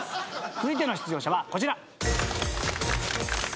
続いての出場者はこちら。